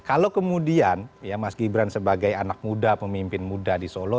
kalau kemudian ya mas gibran sebagai anak muda pemimpin muda di solo